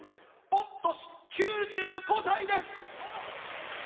御年９５歳です！